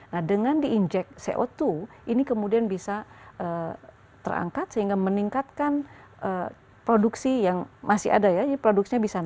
nah dengan diinjek co dua ini kemudian bisa terangkat sehingga meningkatkan produksi yang masih ada ya jadi produksinya bisa naik